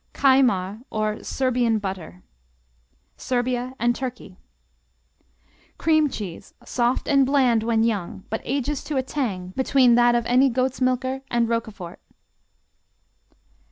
Kajmar, or Serbian Butter Serbia and Turkey Cream cheese, soft and bland when young but ages to a tang between that of any goat's milker and Roquefort.